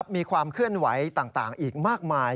มีความเคลื่อนไหวต่างอีกมากมาย